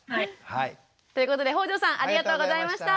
ということで北條さんありがとうございました。